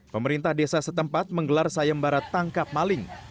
pemerintah desa setempat menggelar sayembarat tangkap maling